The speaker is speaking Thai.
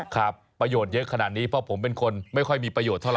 ครับประโยชน์เยอะขนาดนี้เพราะผมเป็นคนไม่ค่อยมีประโยชนเท่าไ